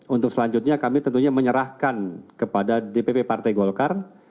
untuk selanjutnya kami tentunya menyerahkan kepada dpp partai golkar